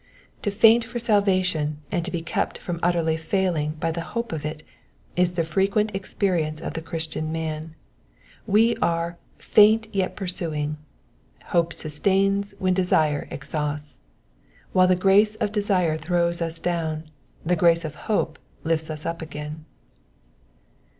To faint for salvation, and to be kept from utterly failing by the hope of it, is the frequent experience of the Cnristian man. We are faint yet pursuing.'' Hope sustains when desire exhausts. While the grace of desire throws us down, the grace of hope lifts us up again.